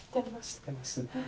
知ってますね。